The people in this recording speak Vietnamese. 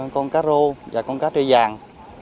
con cá rô và con cá trê vàng